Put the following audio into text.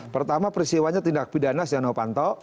pertama peristiwanya tindak pidana setia novanto